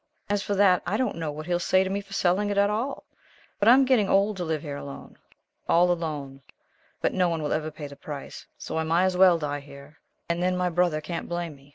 As for that, I don't know what he'll say to me for selling it at all. But I am getting old to live here alone all alone. But no one will ever pay the price. So I may as well die here, and then my brother can't blame me.